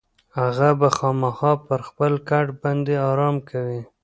هغه به خامخا پر خپل کټ باندې ارام کوي.